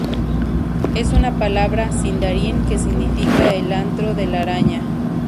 Es una palabra Sindarin que significa el Antro de la Araña.